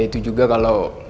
ya itu juga kalo